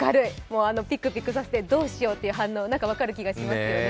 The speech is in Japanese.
ピクピクさせてどうしようという反応分かるような気がしますよね。